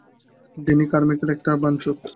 Danny Carmichael একটা বানচোত।